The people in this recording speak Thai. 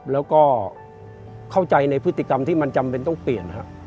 แล้วก็เข้าใจในพฤติกรรมที่มันจำเป็นต้องเปลี่ยนครับ